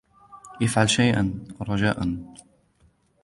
إفعل شيئاً, رجاءً.